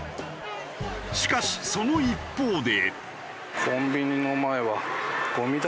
しかしその一方で。